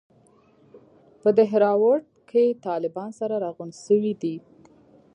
په دهراوت کښې طالبان سره راغونډ سوي دي.